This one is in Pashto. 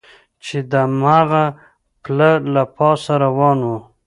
چې د هماغه پله له پاسه روان و.